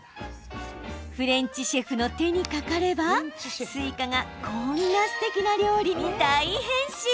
フレンチのシェフの手にかかればスイカが、こんなすてきな料理に大変身。